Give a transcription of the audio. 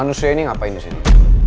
manusia ini ngapain disini